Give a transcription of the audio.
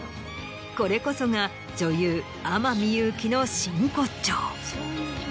これこそが女優天海祐希の真骨頂。